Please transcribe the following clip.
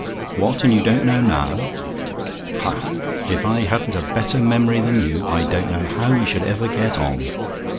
"WHAT! AND YOU DON'T KNOW NOW? "Ha! if I hadn't a better memory than you, I don't know how we should ever get on.